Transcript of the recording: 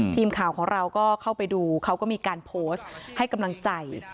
ทีมข่าวของเราก็เข้าไปดูเขาก็มีการโพสต์ให้กำลังใจ